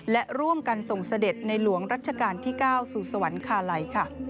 และร่วมกันส่งเสด็จในหลวงราชการที่๙สูว์สะวันคาไล